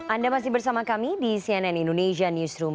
anda masih bersama kami di cnn indonesia newsroom